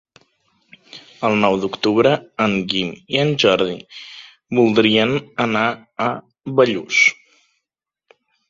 El nou d'octubre en Guim i en Jordi voldrien anar a Bellús.